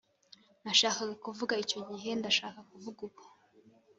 nashakaga kuvuga icyo gihe, ndashaka kuvuga ubu,